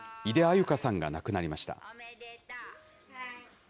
優香さんが亡くなりました。